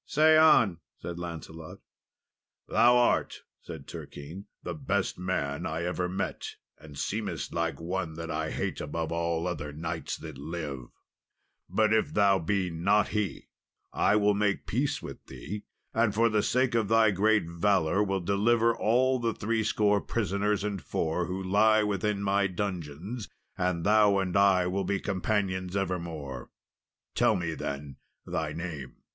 "Say on," said Lancelot. "Thou art," said Turquine, "the best man I ever met, and seemest like one that I hate above all other knights that live; but if thou be not he, I will make peace with thee, and for sake of thy great valour, will deliver all the three score prisoners and four who lie within my dungeons, and thou and I will be companions evermore. Tell me, then, thy name."